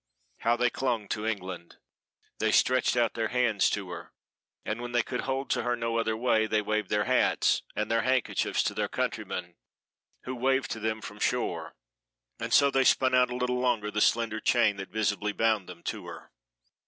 How they clung to England! they stretched out their hands to her, and when they could hold to her no other way they waved their hats and their handkerchiefs to their countrymen, who waved to them from shore and so they spun out a little longer the slender chain that visibly bound them to her.